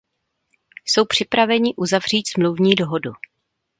Jsou připraveni uzavřít smluvní dohodu.